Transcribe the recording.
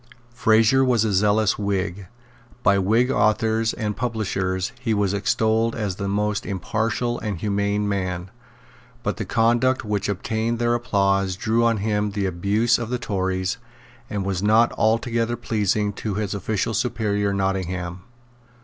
Fraser was a zealous Whig. By Whig authors and publishers he was extolled as a most impartial and humane man. But the conduct which obtained their applause drew on him the abuse of the Tories, and was not altogether pleasing to his official superior Nottingham.